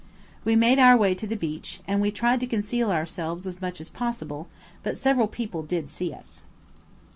We made our way to the beach, and we tried to conceal ourselves as much as possible, but several people did see us.